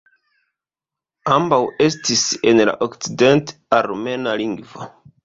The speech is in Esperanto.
Ambaŭ estis en la okcident-armena lingvo.